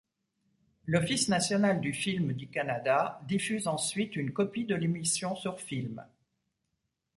L’Office national du film du Canada diffuse ensuite une copie de l’émission sur film.